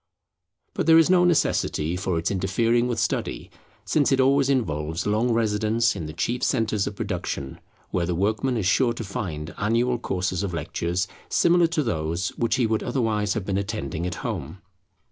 But there is no necessity for its interfering with study, since it always involves long residence in the chief centres of production, where the workman is sure to find annual courses of lectures similar to those which he would otherwise have been attending at home.